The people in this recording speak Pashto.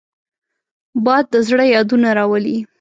باد د زړه یادونه راولي